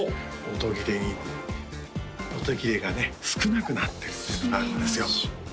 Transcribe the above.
音切れに音切れがね少なくなってっていうのがあるんですよ